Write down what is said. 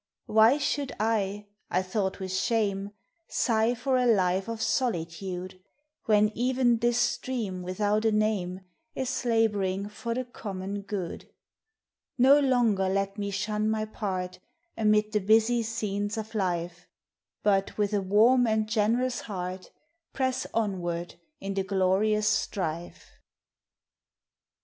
why should I, I thought with shame, Sigh for a life of solitude, When even this stream without a name Is laboring for the common good. ]No longer let me shun my part Amid the busy scenes of life, But with a warm and generous heart Press onward in the glorious strife.